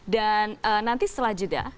dan nanti setelah jeda